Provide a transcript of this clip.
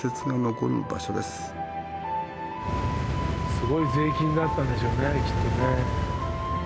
すごい税金だったんでしょうねきっとね。